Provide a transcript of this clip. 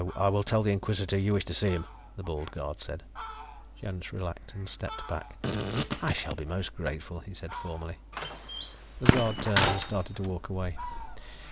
"I will tell the Inquisitor you wish to see him," the bald guard said. Jonas relaxed and stepped back. "I shall be most grateful," he said formally. The guard turned and started to walk away.